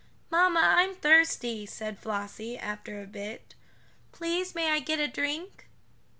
"Mamma, I'm thirsty," said Flossie, after a bit. "Please may I get a drink?"